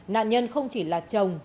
nạn nhân không chỉ là chồng